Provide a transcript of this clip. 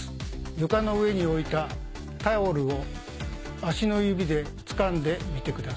床の上に置いたタオルを足の指でつかんでみてください。